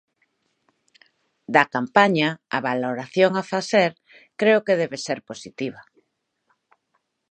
Da campaña a valoración a facer creo que deber ser positiva.